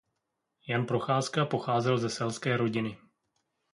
Jan Procházka pocházel ze selské rodiny.